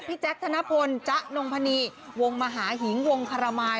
แจ๊คธนพลจ๊ะนงพนีวงมหาหิงวงคารมาย